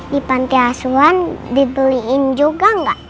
di pantai asuhan dibeliin juga gak